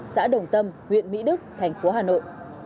xã đồng tâm huyện mỹ đức tp hà nội